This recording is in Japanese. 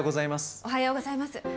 おはようございます。